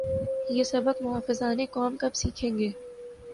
یہ سبق محافظان قوم کب سیکھیں گے؟